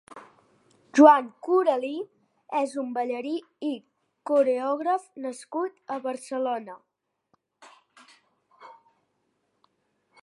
Juan Coreli és un ballarí i coreògraf nascut a Barcelona.